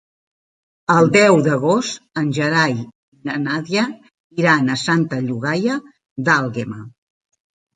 El deu d'agost en Gerai i na Nàdia iran a Santa Llogaia d'Àlguema.